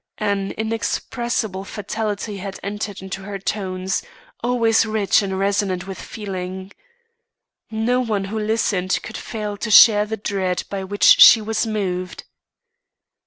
An inexpressible fatality had entered into her tones, always rich and resonant with feeling. No one who listened could fail to share the dread by which she was moved.